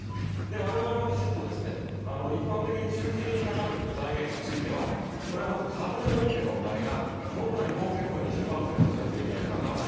我々は、きちっと一般的に中期的にかかる財源についてはこれは株でもうけたお金は税金が２０％しかかからない。